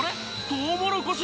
トウモロコシ